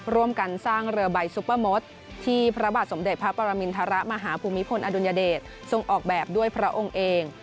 ร่วมกันสร้างเรือใบซุปเปอร์มดที่พระบาทสมเด็จพระปรมินทรมาฮภูมิพลอดุลยเดชทรงออกแบบด้วยพระองค์เอง